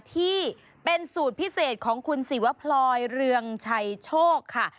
ที่เป็นสูตรพิเศษของคุณศิวพลอยเรืองชัยโชคค่ะ